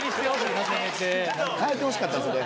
変えてほしかったですね。